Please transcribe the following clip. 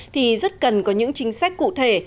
thì rất cần có những chính sách cụ thể